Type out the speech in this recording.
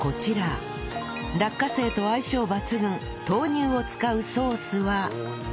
落花生と相性抜群豆乳を使うソースは